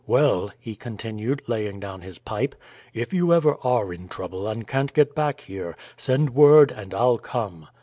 "Well," he continued, laying down his pipe, "if you ever are in trouble and can't get back here, send word, and I'll come."